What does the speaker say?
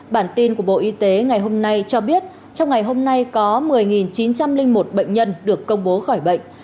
bản tin của bộ y tế ngày hôm nay cho biết trong ngày hôm nay có một mươi chín trăm linh một bệnh nhân được công bố khỏi bệnh